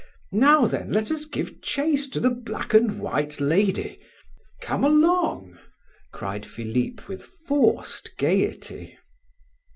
Now, then, let us give chase to the black and white lady; come along!" cried Philip, with forced gaiety.